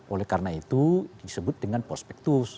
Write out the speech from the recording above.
oleh karena itu disebut dengan prospektus